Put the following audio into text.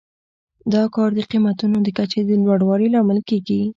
دا کار د قیمتونو د کچې د لوړوالي لامل کیږي.